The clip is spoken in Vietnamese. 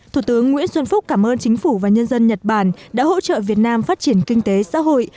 thủ tướng nguyễn xuân phúc cảm ơn chính phủ và nhân dân nhật bản đã hỗ trợ việt nam phát triển kinh tế xã hội